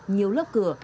nhiều lớp cửa